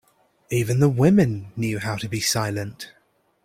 Even the women knew how to be silent.